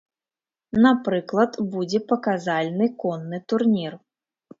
Напрыклад, будзе паказальны конны турнір.